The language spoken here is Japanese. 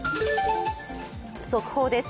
速報です。